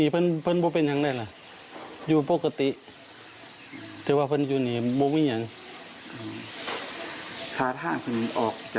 พระเบ้นคือพ่อหูเจ้าพ่อเจ้าพ่อบอกว่าจะเป็นใคร